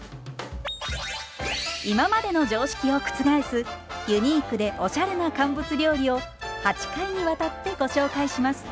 今までの常識を覆すユニークでおしゃれな乾物料理を８回にわたってご紹介します。